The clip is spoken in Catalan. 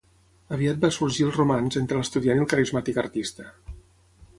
Aviat va sorgir el romanç entre l'estudiant i el carismàtic artista.